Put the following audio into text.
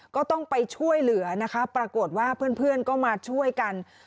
ก็ต้องไปช่วยเหลือนะคะปรากฏว่าเพื่อนก็มาช่วยกัน